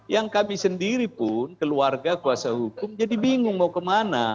yang kami sendiri pun keluarga kuasa hukum jadi bingung mau kemana